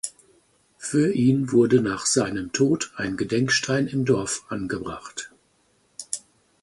Für ihn wurde nach seinem Tod ein Gedenkstein im Dorf angebracht.